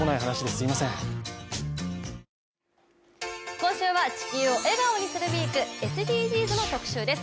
今週は「地球を笑顔にするＷＥＥＫ」、ＳＤＧｓの特集です。